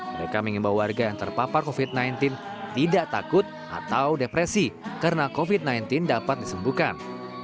mereka mengimbau warga yang terpapar covid sembilan belas tidak takut atau depresi karena covid sembilan belas dapat disembuhkan